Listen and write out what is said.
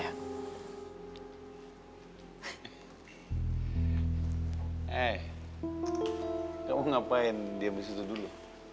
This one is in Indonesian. hei kamu ngapain diam disitu dulu